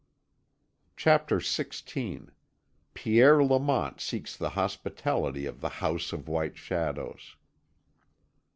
CHAPTER XVI PIERRE LAMONT SEEKS THE HOSPITALITY OF THE HOUSE OF WHITE SHADOWS.